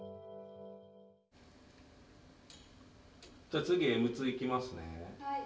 じゃつぎＭ２いきますね。